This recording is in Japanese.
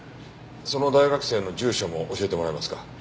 その大学生の住所も教えてもらえますか？